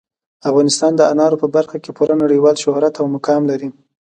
افغانستان د انارو په برخه کې پوره نړیوال شهرت او مقام لري.